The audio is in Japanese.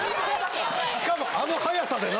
しかもあの早さでな。